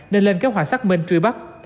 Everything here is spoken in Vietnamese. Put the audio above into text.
nên lên kế hoạch xác minh truy bắt